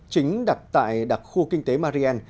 chính đặt tại đặc khu kinh tế marien